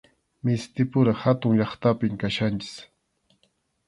Mistipura hatun llaqtapim kachkanchik.